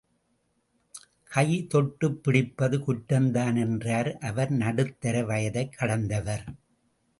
கை தொட்டுப் பிடிப்பது குற்றம்தான் என்றார் அவர் நடுத்தர வயதைக் கடந்தவர்.